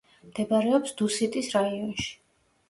მდებარეობს დუსიტის რაიონში.